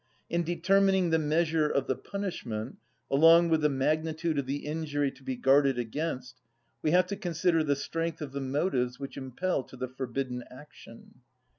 In determining the measure of the punishment, along with the magnitude of the injury to be guarded against, we have to consider the strength of the motives which impel to the forbidden action.